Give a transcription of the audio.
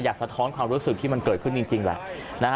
สะท้อนความรู้สึกที่มันเกิดขึ้นจริงแหละ